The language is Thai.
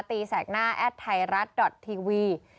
แสกหน้าแอดไทยรัฐดอททีวี